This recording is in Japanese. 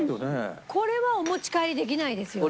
これはお持ち帰りできないですよね？